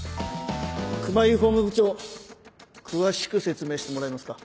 熊井法務部長詳しく説明してもらえますか？